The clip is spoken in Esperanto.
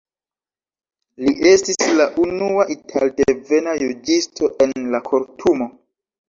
Li estis la unua italdevena juĝisto en la Kortumo.